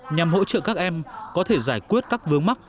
nhằm hỗ trợ các em có thể giải quyết các vướng mắc